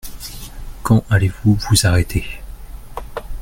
Quand allez-vous vous arrêter?